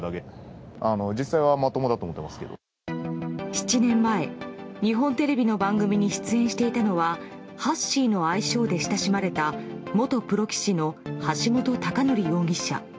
７年前、日本テレビの番組に出演していたのはハッシーの愛称で親しまれた元プロ棋士の橋本崇載容疑者。